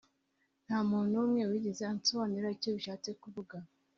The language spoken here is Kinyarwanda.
nta muntu wigeze ansobanurira icyo bishatse kuvuga,